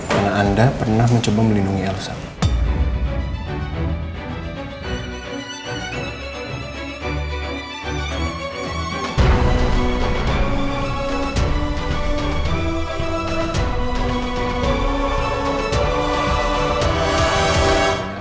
karena anda pernah mencoba melindungi el salah